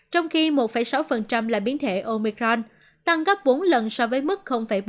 trong khi một sáu là biến thể omicron tăng gấp bốn lần so với mức bốn